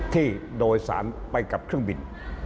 ที่โดยสารไปกับเครื่องบิน